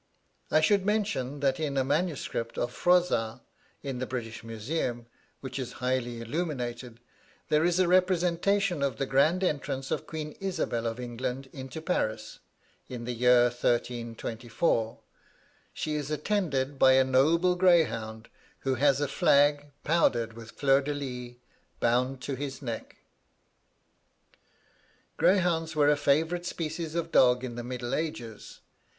I should mention, that in a manuscript of Froissart in the British Museum, which is highly illuminated, there is a representation of the grand entrance of Queen Isabel of England into Paris, in the year 1324. She is attended by a noble greyhound, who has a flag, powdered with fleurs de lys, bound to his neck. Greyhounds were a favourite species of dog in the middle ages.